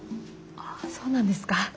あっそうなんですか。